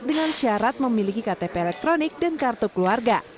dengan syarat memiliki ktp elektronik dan kartu keluarga